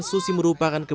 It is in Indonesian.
susi merupakan kebanggaan